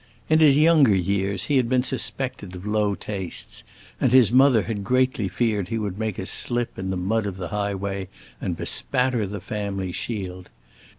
In his younger years he had been suspected of low tastes, and his mother had greatly feared he would make a slip in the mud of the highway and bespatter the family shield.